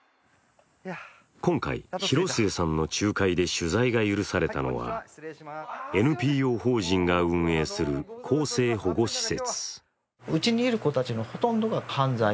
今回、廣末さんの仲介で取材が許されたのはＮＰＯ法人が運営する更生保護施設。